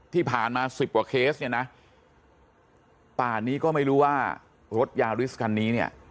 ที่ผ่านมาสิบกว่าเคสเนี่ยนะป่านนี้ก็ไม่รู้ว่ารถยาริสคันนี้เนี่ย